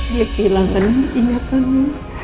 dia kehilangan ingatanku